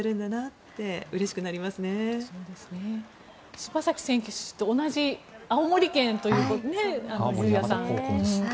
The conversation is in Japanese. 柴崎選手と同じ青森県ということで、龍弥さん。